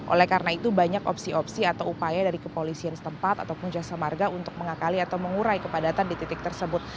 oleh karena itu banyak opsi opsi atau upaya dari kepolisian setempat ataupun jasa marga untuk mengakali atau mengurai kepadatan di titik tersebut